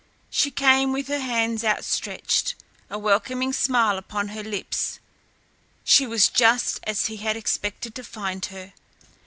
She came with her hands outstretched, a welcoming smile upon her lips. She was just as he had expected to find her.